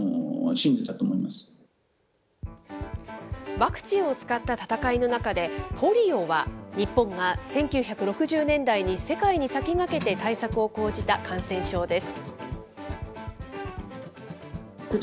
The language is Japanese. ワクチンを使った闘いの中で、ポリオは、日本が１９６０年代に世界に先駆けて対策を講じた感染症です。